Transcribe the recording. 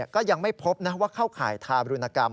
ก็ยังไม่พบว่าเข้าข่ายทารุณกรรม